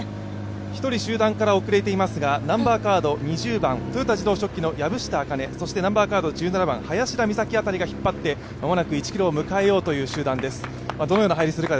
１人集団から遅れていますが２０番、豊田自動織機の籔下明音、１７番、林田美咲辺りが引っ張って間もなく１ｋｍを迎えようという集団です。